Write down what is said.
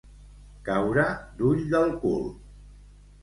Caure d'ull del cul.